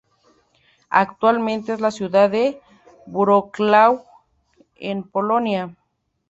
Actualmente es la ciudad de Wrocław en Polonia.